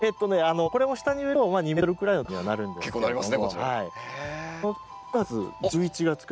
これも下に植えると２ｍくらいの高さにはなるんですけれども。